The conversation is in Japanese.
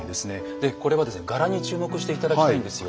でこれはですね柄に注目して頂きたいんですよ。